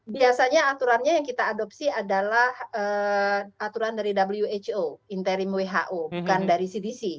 biasanya aturannya yang kita adopsi adalah aturan dari who interim who bukan dari cdc